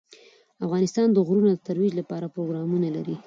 افغانستان د غرونه د ترویج لپاره پروګرامونه لري.